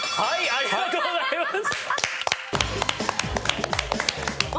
ありがとうございます！